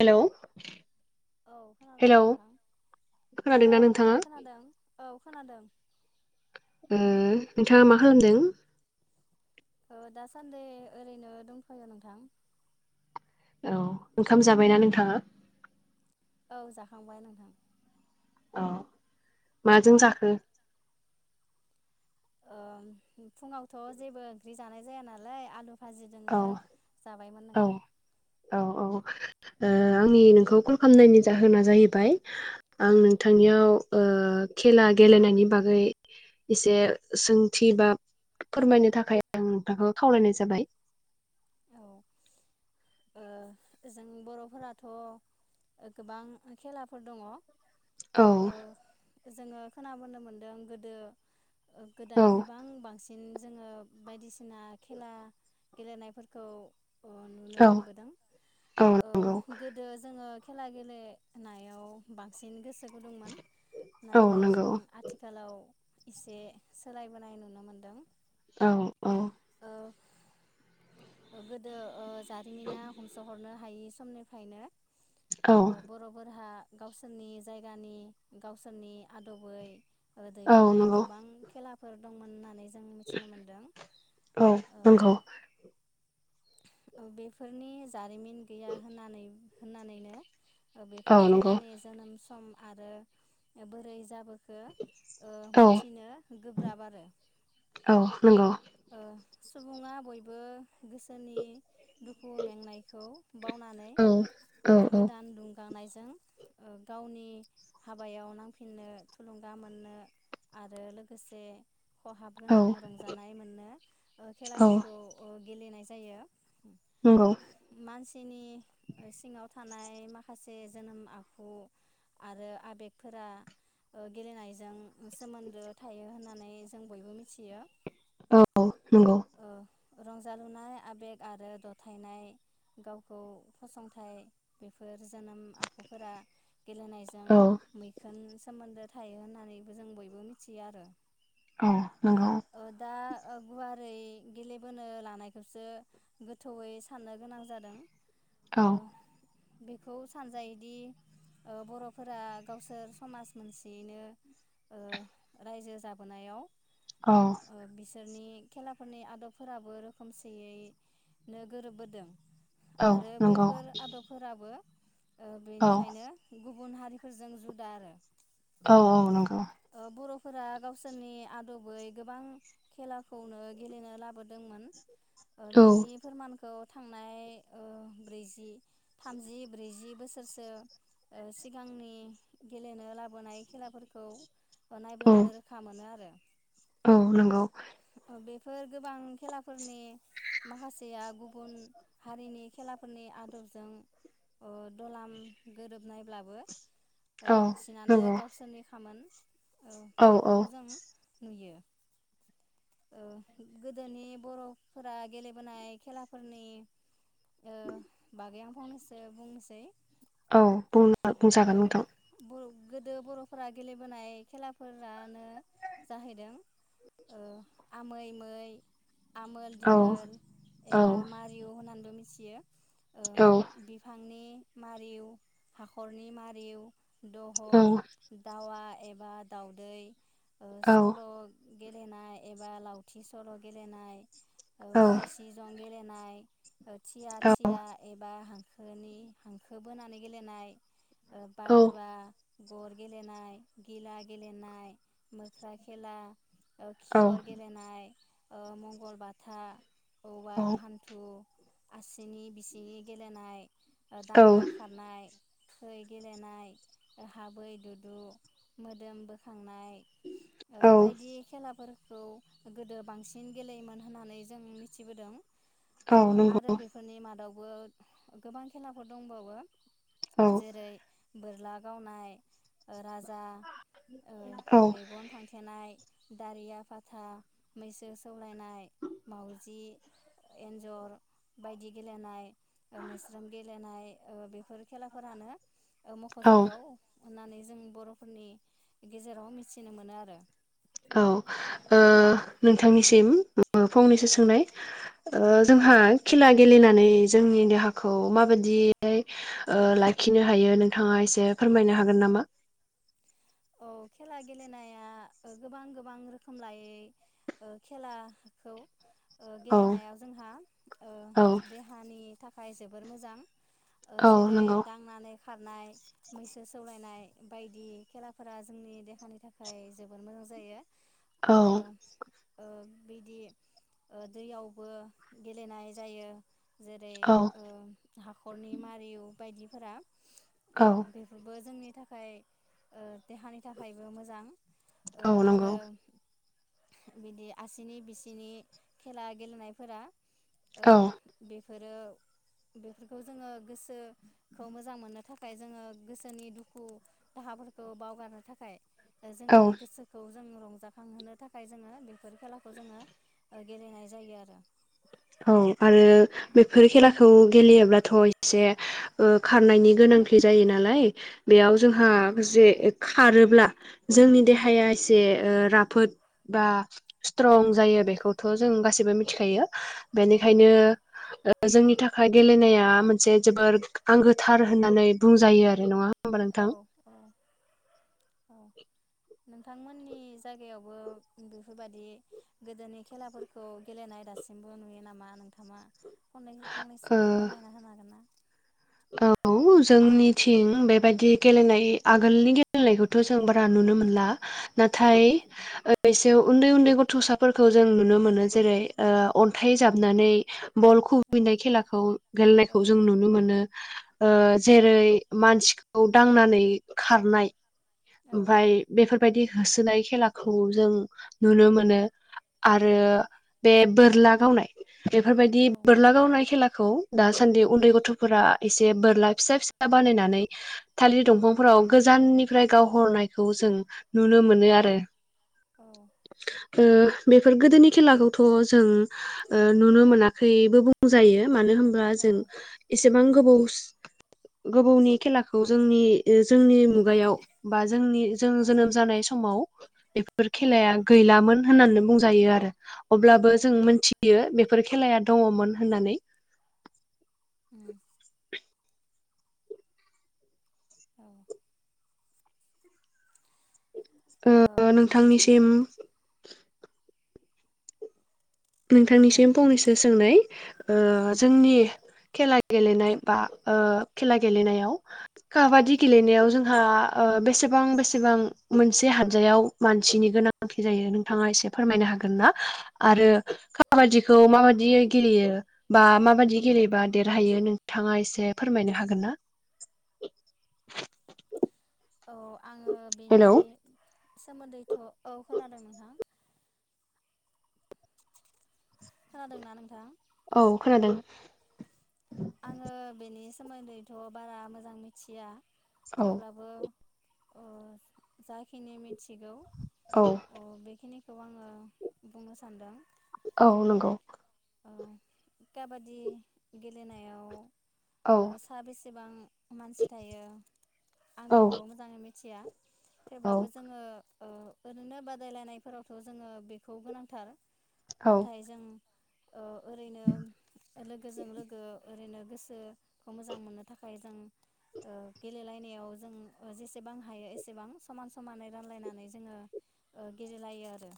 Hello औ खोनादों hello नोंथां खोनादोंना औ नोंथाङा नोंथां खोनादों औ खोनादों उम नोंथाङा मा खालामदों औ दासान्दै ओरैनो दंथ'यो नोंथां औ ओंखाम जाबायना नोंथाङा औ जाखांबाय नोंथां औ माजों जाखो ओ फुङावथ' जेबो ओंख्रि जानाय जाया नालाय आलु औ भाजिजोंनो जाबायमोन औ नोंथां औ औ ओ आंनि नोंखौ कल खालामनायनि जाहोना जाहैबाय औ आं नोंथांनियाव ओ खेला गेलेनायनि बागै एसे सोंथि बा फोरमायनो थाखाय आं नोंथांखौ खावलायनाय जाबाय औ ओ जों बर'फोराथ' गोबां खेलाफोर दङ' औ जोङो खोनाबोनो मोन्दों गोदो औ गोदाय गोबां बांसिन जोङो बायदिसिना खेला गेलेनायफोरखौ अ औ नु बोदों औ ओ नंगौ गोदो जोङो खेला गेलेनायाव बांसिन गोसो गुदुंमोन औ नाथाय जों नंगौ आथिखालाव इसे सोलायबोनाय नुनो मोनदों। औ औ ओ गोदो ओ जा रिमिना हमस'हरनो हायि समनिफ्रायनो औ बर'फोरहा गावसोरनि जायगानि गावसोरनि आदबै ओ दैै औ बोनाय नंगौ गोबां खेला फोर दंमोन होननानै जों मिथिनो मोनदों औ ओ नंगौ ओ बेफोरनि जारिमिन गैया होननानै होननानैनो औ बेफोर नंगौ खेलानि जोनोम सम आरो बोरै जाबो औ गोब्राब आरो [unintelligible] औ नंगौ ओ सुबुङा बयबो गोसोनि दुखु मेंनायखौ बावनानै औ औ औ गोदान दुंगांनाय जों ओ गावनि हाबायाव नांफिननो थुलुंगा मोननो आरो लोगोसे औ खहाबगोन आं रंजाना मोनो ओ औ खेलाफोरखौ ओ गेलेनाय जायो। नंगौ मानसि सिनि सिङाव थानाय माखासे जोनोम आखु आरो आबेगफोरा ओ गेलेनायजों सोमोन्दो थायो होननानै मे जों बयबो मिथियो। औ नंगौ ओ रंजालुनाय आबेग आरो दथायनाय गावखौ फसंथाइ बेफोर जोनोम आखुफोरा गेलेनायजों औ मैखुन सोमोन्दो थायो होननानैबो जों बयबो मिथियो आरो औ नोंगौ ओ दा गुवारै गेलेबोनो लानायखौसो गोथौयै साननो गोनां जादों ओ औ बेखौ सानजायोदि बर'फोरा गावसोर समाज मोनसेयैनो रायजो जाबोनायाव औ बिसोरनि खेलाफोरनि आदबफोराबो रोखोमसेयैनो गोरोबबोदों औ आरो नंगौ बैफोर आदबफोराबो औ बेनिखायनो गुब गुबुन हारिफोरजों जुदा आरो औ औ नंगौ बर'फोरा गावसोरनि आदबै गोबां खेलाखौनो गेलेनो लाबोदोंमोन उ औ बेनि फोरमानखौ थांनाय उ ब्रैजि थामजि ब्रैजि बोसोरसो सिगांनि गेलेनो लाबोनाय खेलाफोरखौ औ नायब्लानो रोखा मोनो आरो औ नंगौ बेफोर गोबां खेलाफोरनि माखासेया गुबुन हारिनि खेलाफोरनि आदबजों दलाम गोरोबनायब्लाबो औ बांसिनानो नंगौ गावसोरनि खामोन औ बेखौ जों नुयो उ गोदोनि बर'फोरा गेलेबोनाय खेलाफोरनि ओ [inaudible] बागै आं फंनैसो बुंनोसै औ ओ बुंजागोन नोंथां बर' गोदो बर'फोरा गेलेबोनाय खेलाफोरानो जाहैदों उ आमै मै आमोल औ दिमोल औ एबा मारियु होननानैबो मिथियो बियो औ उ बिफां आंनि मारिउ हाखरनि मारिउ दह औ दावआ एबाद दाउदै ओ औ सल गेलेनाय एबा लावथि सल' गेलेनाय ओ औ गनसि जं गेले नाय ओ थिया थिया एबा हां होनि हांखो बोनानै गेलेनाय ओ बादुवा गर गेलेनाय गिला गेलेनाय मोख्रा खेला ओ औ खिखर गेलेनाय ओ मंगलबाथा औवा हान्थु आसिनि बिसिनि गेलेनाय ओ दांना खारनाय खै गेलेनाय ओ हाबै दुदु मो मोदोम बोखांनाय ओ औ बायदि खेलाफोर खौ गोदो बांसिन गेलेयोमोन होननानै जों मिथिबोदों औ ओ नंगौ आरो बेफोरनि मादाव ओ गोबां खेलाफोर दंबावो औ जेरै बोरला गावनाय ओ राजा ओ औ मेगन फांथेनाय दारिया फाथा मैसो सौलायनाय मावजि एन्जर बायदि गेलेनाय ओ मोस्रोम गेलेनाय ओ बेफोर खेलाफोरानो ओ औ मख'जाथाव होननानै जों बर'फोरनि गेजेराव मिथिनो मोनो आरो औ ओ औ नोंथांनिसिम ओ फंनैसो औ सोंनाय ओ औ जोंहा खेला गेलेनानै जोंनि देहाखौ माबायदियै लाखिनो हायो नोंथाङा एसे फोरमायनो हागोन नामा औ खेला गेलेनाया गोबां गोबां रोखोम लायै ओ खेलाखौ ओ औ गेलेनायाव जोंहा ओ देहानि थाखाय जोबोर मोजां ओ औ जेरै नंगौ दांनानै खारनाय मैसो सौलायनाय बायदि खेलाफोरा जोंनि देहानि थाखाय जोबोद मोजां जायो आरो औ ओ बिदि ओ दैयावबो गेलेनाय जायो जेरै औ ओ हाखरनि मारिउ बायदिफोरा ओ औ बेफोरबो जोंनि थाखाय ओ देहानि थाखायबो मोजां ओ औ आरो नंगौ बिदि आसिनि बिसिनि खेला गेलेनायफोरा ओ औ बेफोरो बेफोरखौ जोङो गोसोखौ मोजां मोननो थाखाय जोङो गोसोनि दुखु दाहाफोर खौ बावगारनो थाखाय औ जोंनि गोसोखौ जों रंजाखांहोनो थाखाय जोङो बेफोर खेलाखौ जोङो गेलेनाय जायो आरो औ आरो बेफोर खेलाखौ गेलेयोब्लाथ' एसे ओ खारनायनि गोनांथि जायो नालाय औ बेयाव जोंहा मोसे खारोब्ला जोंनि देहाया एसे ओ राफोद बा स्ट्रं औ जायो बेखौथ' जों गासैबो मिथिखायो औ बेनिखायनो ओ जोंनि थाखाय गेलेनाया मोनसे जोबोर आंगोथार होननानै बुंजायो आरो नङा होमबा औ नोंथां औ नोंथांमोननि जायगायावबो बेफोरबादि गोदोनि खेलाफोरखौ गेलेनाय दासिमबो नुयो नामा नोंथाङा? फंनै-फंनैसो ओ फोरमायना होनो हागोनना? औ जोंनिथिं बेबायदि गेलेनाय आगोलनि गेलेनायखौथ' जों बारा नुनो मोनला। औ नाथाय बैसोआव उन्दै उन्दै गथ'साफोरखौ जों नुनो मोनो जेरै ओ अन्थाइ जाबनानै बल औ खुबैनाय खेलाखौ औ गेलेनायखौ जों नुनो मोनो। ओ औ जेरै मानसिखौ दांनानै खारनाय औ ओमफाय बेफोर बेबायदि होसोनाय खेलाखौ जों नुनो मोनो। आरो औ बे बोरला गावनाय बेफोरबायदि औ बोरला गावनाय खेला खौ दासान्दि उन्दै गथ'फोरा एसे बोरला फिसा फिसा बानायनानै थालिर औ दंफांफोराव गोजाननि फ्राय गावहरनायखौ जों नुनो मोनो आरो [inaudible] ओ बेफोर गोदोनि खेलाखौथ' जों ओ नुनो मोनाखैबो बुंजायो। मानो होनब्ला जों औ ए सेबां गोबौस गोबौनि खेलाखौ जोंनि जोंनि मुगायाव बा जोंनि जों औ जोनोम जानाय समाव बेफोर औ खेलाया गैलामोन होननानै बुंजायो आरो अब्लाबो औ जों मोनथियो बे बेफोर खेलाया दङमोन होननानै। उम औ औ ओ बिदिनो नोंथांनिसिम दे बुंलाय नोंथांनिसिम नोंथां फंनैसो ओ सोंनाय औ जोंनि खेला गेलेनाय बा खेला गेलेनायाव औ खाबादि गेलेनायाव जोंहा ओ बेसेबां बेसेबां मोनसे हानजायाव मानसिनि गोनांथि जायो नोंथाङा एसे फोरमायनो हागोन ना आरो खाबादिखौ माबादियै गेलेयो बा माबादि गेलेबा औ देरहायो नोंथाङा एसे फोरमायनो हागोन ना? औ आङो बेनि हेलौ सोमोन्दैथ' औ खोनादों नोंथां खोनादोंना नोंथां? औ खोनादों आङो बेनि सोमोन्दैथ' बारा मोजां मिथिया औ थेवब्लाबो अ जाखिनि मि थिगौ औ अ बेखिनि बे खौ आङो बुंनो सानदों। औ नंगौ। औ काबादि गेलेनायाव औ ओ सा बेसेबां मानसि थायो आं औ बेखौ मोजाङै मिथि थिया औ थेवब्लाबो जोङो ओ ओरैनो बादायलायनायफोरावथ' जोङो बेखौ गोनांथार औ नाथाय जों ओरैनो लोगोजों लोगो ओरैनो गोसोखौ मोजां मोननो थाखाय जों गेलेलायनायाव जों जेसेबां हायो एसेबां समान समानै रानलायनानै जोङो गेलेलायो आरो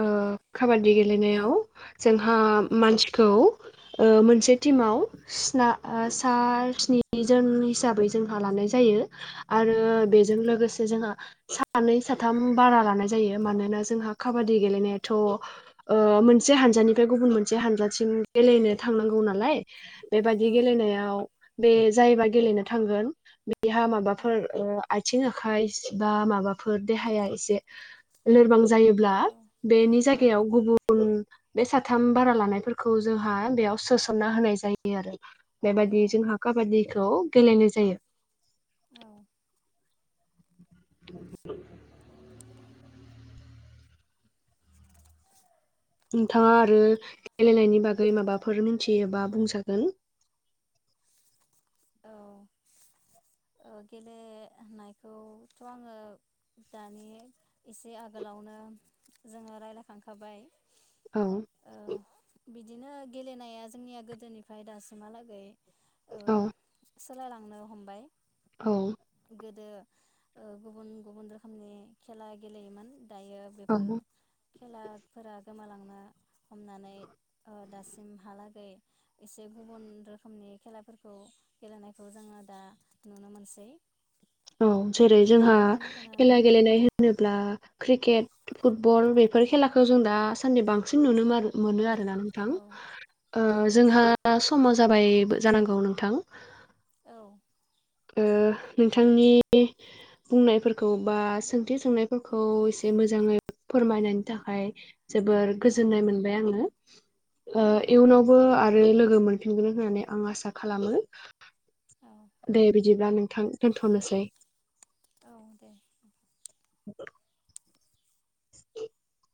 ओ औ काबादि गेलेनायाव जों हा औ मानसिखौ ओ मोन मोनसे औ टिमआव सिना औ सा स्नि निजोन हिसाबै जोंहा लानाय जायो आरो औ बेजों लोगोसे जोंहा सानै साथाम बारा लानाय जायो मानोना जोंहा काबादि गेलेनायाथ' ओ मोनसे हानजानिफ्राय गुबुन मोनसे हानजाथिम गेलेनो थांनांगौ नालाय औ बेबायाददि गेलेनायाव बे जायोबा गेलेनो थांगोन बे बेहा औ माबाफोर ओ आइ थिं आखाय सि बा माबाफोर देहाया एसे लोरबां जायो ब्ला बेनि जायगायाव गुबुन बे साथाम बारा लानायफोरखौ जोंहा बेयाव सोसन्ना होनाय जायोआरो। औ बेबाददि जोंहा काबादि खौ गेलेनाय जायो। औ [inaudible] नोंथाङ आरो गेलेनायनि बागै माबाफोर मिथियोबा बुंजागोन। औ ओ गेलेनायखौथ' आङो दानि एसे आगोलावनो जोङो राय्लायखांखाबाय औ बिदिनो गेलेनाया जोंनिया गोदोनिफ्राय दासिमहालागै ओ औ। सोलायलांनो हमबाय औ गोदो ओ गुबुन गुबुन रोखोमनि खेला गेलेयोमोन दायो औ बेफोर खेलाफोरा गोमालां ओ हमनानै ओ दासिमहालागै एसे गुबुन रोखोमनि खेलाफोरखौ गेलेनायखौ जोङो दा नुनो मोनसै औ जेरै जोंहा बेखिनिखौनो खेला गेलेनाय होनोब्ला क्रिकेट [unintelligible] बल औ बेफोर खेलाखौ जों दा सानदि बांसिन नुनो [unintelligible] मोन औ आरोना नोंथां औ ओ औ जोंहा समा जाबायबो जानांगौ नोंथां औ ओ नोंथांनि बुंनायफोरखौ बा सोंथि सोंनायफोरखौ एसे मोजाङै फोरमायनायनि थाखाय जोबोर औ गोजोननाय मोनबाय आङो। ओ औ इयुनावबो आ आरो लोगो मोनफिनगोन होननानै आं आसा खालामो। दे बिदिब्ला नोंथां दोनथ'नोसै। औ दे [inaudible]